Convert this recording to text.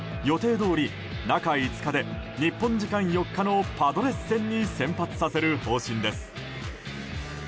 どおり中５日で日本時間４日のパドレス戦に先発させる方針です。